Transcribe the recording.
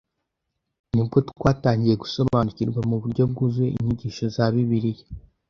ni bwo twatangiye gusobanukirwa mu buryo bwuzuye inyigisho za Bibiliya